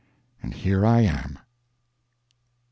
And here I am. MR.